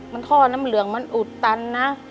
มันท่อน้ำเหลืองมันอุดตันนะ